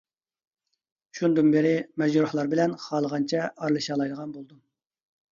شۇندىن بېرى مەجرۇھلار بىلەن خالىغانچە ئارىلىشالايدىغان بولدۇم.